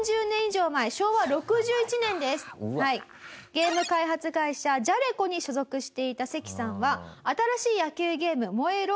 ゲーム開発会社ＪＡＬＥＣＯに所属していたセキさんは新しい野球ゲーム『燃えろ！！